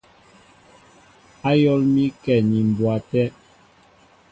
Ayól mi kɛ ni mbwa té.